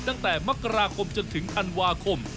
ตั้งแต่มกราคมจนถึงธันวาคม